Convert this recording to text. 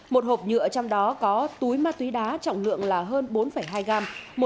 một hộp nhựa trong đó có túi ma túy đá trọng lượng là hơn bốn hai gram